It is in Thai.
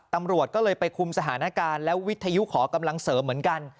ตำรวจก็เลยไปคุมสถานการณ์แล้ววิทยุขอกำลังเสริมเหมือนกัน